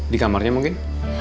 di kamarnya mungkin